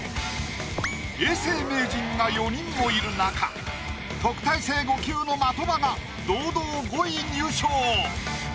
永世名人が４人もいる中特待生５級の的場が堂々５位入賞。